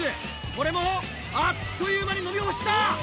これもあっという間に飲み干した！